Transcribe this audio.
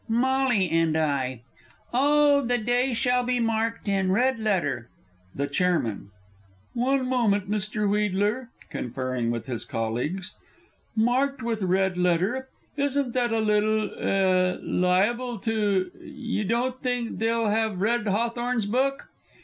_ "MOLLY AND I. "Oh! the day shall be marked in red letter " The Chairman. One moment, Mr. Wheedler, (conferring with his colleagues). "Marked with red letter" isn't that a little eh? liable to You don't think they'll have read Hawthorne's book?